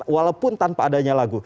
walaupun tanpa adanya lagu